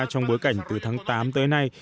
trong bối cảnh từ tháng tám tới nay